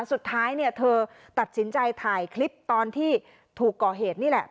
สุดท้ายเนี่ยเธอตัดสินใจถ่ายคลิปตอนที่ถูกก่อเหตุนี่แหละ